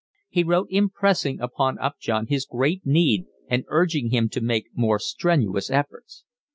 He wrote impressing upon Upjohn his great need and urging him to make more strenuous efforts.